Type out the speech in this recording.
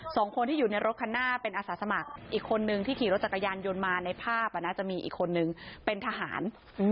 คนที่อยู่ในรถคันหน้าเป็นอาสาสมัครอีกคนนึงที่ขี่รถจักรยานยนต์มาในภาพจะมีอีกคนนึงเป็นทหาร